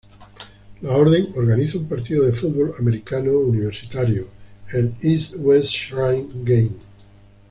La orden organiza un partido de fútbol americano universitario, el "East-West Shrine Game".